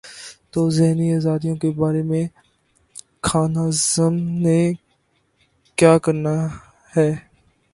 تو ذہنی آزادیوں کے بارے میں خان اعظم نے کیا کرنا ہے۔